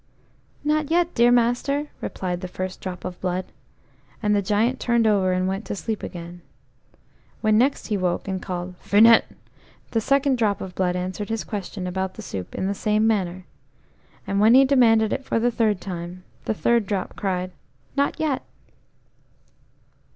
"Not yet, dear master," replied the first drop of blood, and the Giant turned over and went to sleep again. When next he woke and called "Finette," the second drop of blood answered his question about the soup in the same manner, and when he demanded it for the third time, the third drop cried "Not yet."